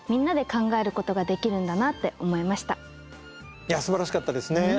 いやすばらしかったですね。